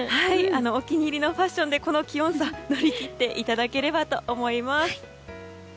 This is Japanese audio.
お気に入りのファッションでこの気温差を乗り切っていただければと思います。